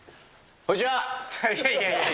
こんにちは。